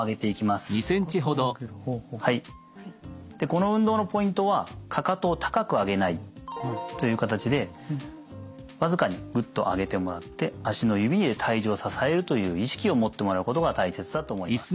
この運動のポイントはかかとを高く上げない。という形で僅かにグッと上げてもらって足の指で体重を支えるという意識を持ってもらうことが大切だと思います。